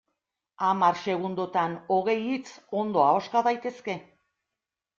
Hamar segundotan hogei hitz ondo ahoska daitezke.